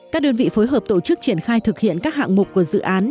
các đơn vị phối hợp tổ chức triển khai thực hiện các hạng mục của dự án